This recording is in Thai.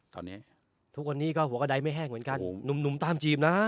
ตอนนี้ทุกคนนี้ก็หัวกระได้ไม่แห้งเหมือนกันโอ้โหหนุ่มหนุ่มตามจีบน่ะ